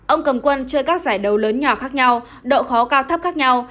ông cầm quân chơi các giải đấu lớn nhỏ khác nhau độ khó cao thấp khác nhau